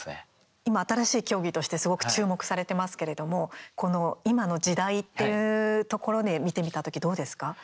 今、新しい競技としてすごく注目されてますけれども今の時代っていうところで見てみた時、どうですか？